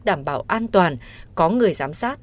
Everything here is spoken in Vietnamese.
đảm bảo an toàn có người giám sát